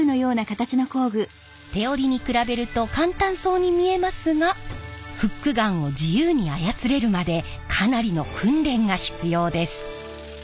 手織りに比べると簡単そうに見えますがフックガンを自由に操れるまでかなりの訓練が必要です。